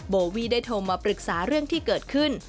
โบวี่ได้โทรมาปรึกษาเรื่องที่เกิดขึ้น